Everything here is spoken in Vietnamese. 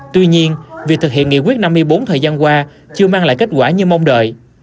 tuy nhiên việc thực hiện nghị quyết năm mươi bốn thời gian qua chưa mang lại kết quả như mong đợi